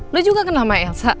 lo juga kenal sama elsa